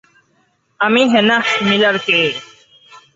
আমি Hannah Miller কে!